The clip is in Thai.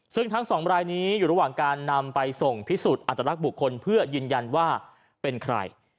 ซึ่งทั้งสองรายนี้อยู่ระหว่างการนำไปส่งพิสูจน์อัตลักษณ์บุคคลเพื่อยืนยันว่าเป็นใคร